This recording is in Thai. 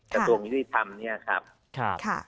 สัตวมิดิธรรมนี้ครับ